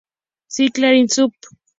Sí Clarín, Sup.